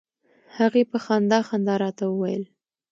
هغې په خندا خندا راته وویل.